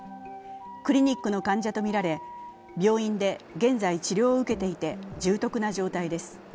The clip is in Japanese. クリニックの患者とみられ病院で現在、治療を受けていて重篤な状態です。